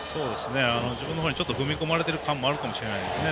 自分の方に踏み込まれてる感あるかもしれないですね。